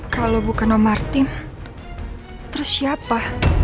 kalau bukan om martin terus siapa